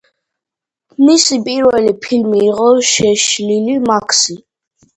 მისი პირველი ფილმი იყო „შეშლილი მაქსი“.